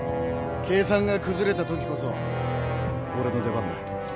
計算が崩れた時こそ俺の出番だ。